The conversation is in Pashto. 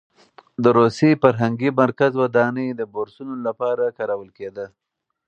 د روسي فرهنګي مرکز ودانۍ د بورسونو لپاره کارول کېده.